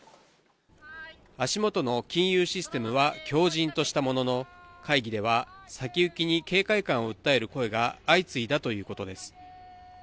足元の金融システムは強じんとしたものの会議では先行きに警戒感を訴える声が相次いだということです。